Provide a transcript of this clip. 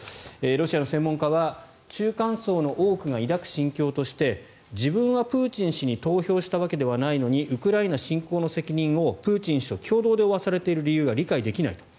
ロシアの専門家は中間層の多くが抱く心境として自分はプーチン氏に投票したわけではないのにウクライナ侵攻の責任をプーチン氏と共同で負わされている理由が理解できないと。